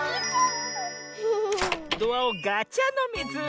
ドアをガチャのミズ！